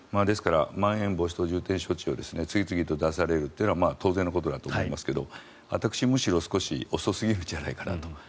ですからまん延防止等重点措置を次々と出されるというのは当然のことだと思いますが私、むしろ少し遅すぎるんじゃないかなと。